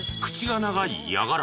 ［口が長い］